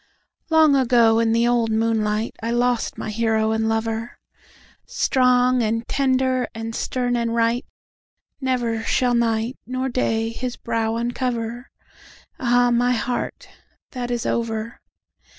Long ago, in the old moonlight,I lost my hero and lover; Strong and tender and stern and right, Never shall nightNor day his brow uncover. Ah, my heart, that is over!